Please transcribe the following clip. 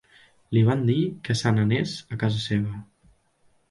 Li van dir que se n'anés a casa seva.